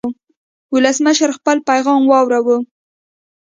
ولسمشر خپل پیغام واوراوه.